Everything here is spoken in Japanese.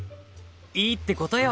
いいってことよ。